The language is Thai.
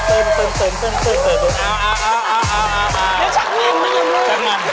เอาเอาเอาเอา